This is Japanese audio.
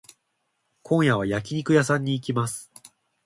今夜は焼肉屋さんに行きます。